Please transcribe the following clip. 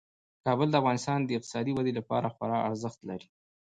کابل د افغانستان د اقتصادي ودې لپاره خورا ارزښت لري.